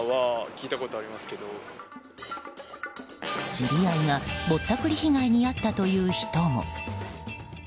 知り合いがぼったくり被害に遭ったという人も。